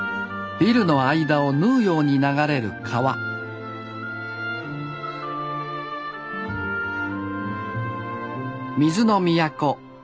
ビルの間を縫うように流れる川水の都大阪市。